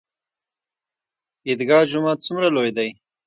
عیدګاه جومات څومره لوی دی؟